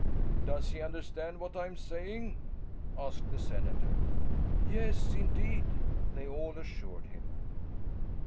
"Does he understand what I'm saying?" asked the senator. "Yes indeed," they all assured him.